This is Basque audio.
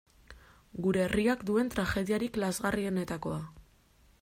Gure herriak duen tragediarik lazgarrienetakoa.